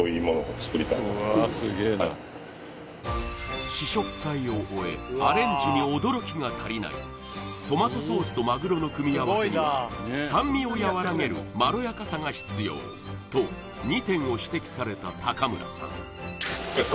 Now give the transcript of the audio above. はい試食会を終えアレンジに驚きが足りないトマトソースとまぐろの組み合わせには酸味を和らげるまろやかさが必要と２点を指摘された高村さん